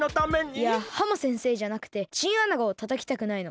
いやハモ先生じゃなくてチンアナゴをたたきたくないの。